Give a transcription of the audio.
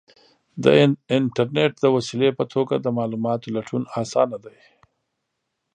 د انټرنیټ د وسیلې په توګه د معلوماتو لټون آسانه دی.